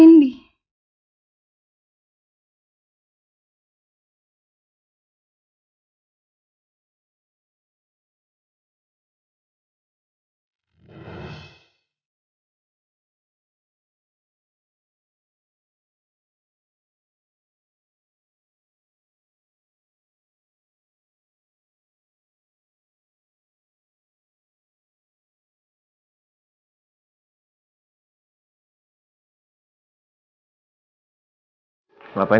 aku merasa dia seperti pengganti nindi